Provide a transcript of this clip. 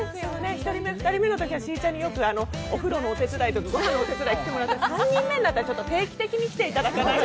１人目、２人目のときはしーちゃんによくお風呂のお手伝いとかごはんのお手伝いとか来てもらったけれど、３人目になると、定期的に来ていただかないと。